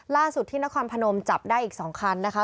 ที่นครพนมจับได้อีก๒คันนะคะ